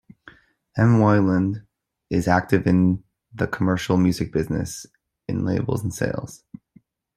M. Weiland is active in the commercial music business in labels and sales.